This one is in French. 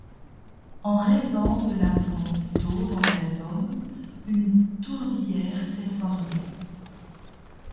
En raison de l'abondance d'eau dans la zone, une tourbière s'est formée.